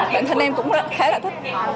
bản thân em cũng khá là thích